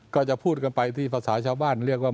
ก็จะพูดกันไปที่ภาษาชาวบ้านเรียกว่า